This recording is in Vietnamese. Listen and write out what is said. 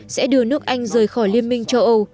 sẽ đưa nước anh rời khỏi liên minh châu âu